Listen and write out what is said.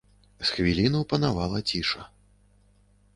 З хвіліну панавала ціша.